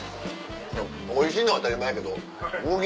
おいしいのは当たり前やけど。